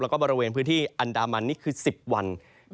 แล้วก็บริเวณพื้นที่อันดามันนี่คือ๑๐วัน